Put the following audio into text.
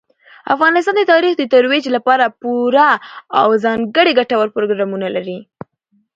افغانستان د تاریخ د ترویج لپاره پوره او ځانګړي ګټور پروګرامونه لري.